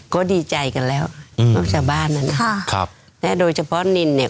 ก็ดีใจกันแล้วอืมของชาวบ้านนั้นค่ะครับและโดยเฉพาะนินเนี่ย